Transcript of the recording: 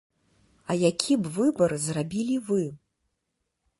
А які б выбар зрабілі вы?